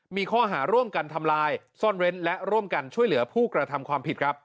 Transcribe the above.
มีข้อหาร่วมกันทำลายซ่อนเว้นและร่วมกันช่วยเหลือผู้กระทำความผิดครับ